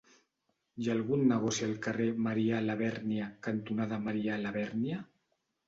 Hi ha algun negoci al carrer Marià Labèrnia cantonada Marià Labèrnia?